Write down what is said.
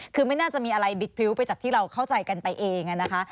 คือไม่น่าจะมีอะไรบิดพริ้วไปจากที่เราเข้าใจกันไปเองนะคะ